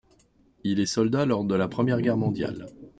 Il est soldat lors de la Première Guerre mondiale.